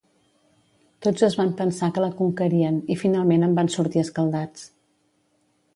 Tots es van pensar que la conquerien i finalment en van sortir escaldats.